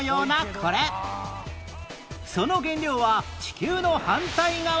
その原料は地球の反対側